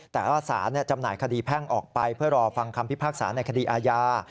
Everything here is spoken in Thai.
แต่ว่าสารจำหน่ายคดีแพ่งออกไปเพื่อรอฟังคำพิพากษาในคดีอาญา